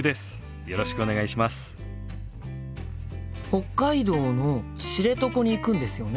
北海道の知床に行くんですよね？